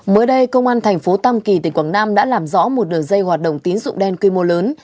mới đây công an tp tâm kỳ tỉnh quảng nam đã làm rõ một nửa dây hoạt động tín dụng đen quy mô lớn